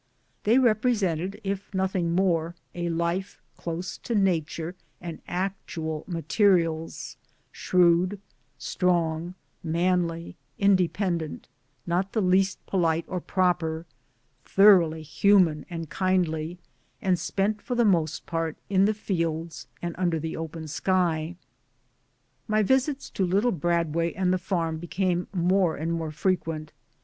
They represented, if nothing more, a life close to Nature and actual materials, shrewd, I strong, manly, independent, not the least polite or proper, thoroughly human and kindly, and spent for the most part in the fields and under the open sky. My visits to little Bradway and the farm became more and more frequent.